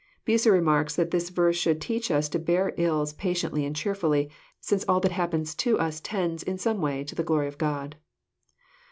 Bucer remarks that this verse should teach as to bear ills pa tiently and cheerfully, since all that happens to us tends, in some way, to the glory of God.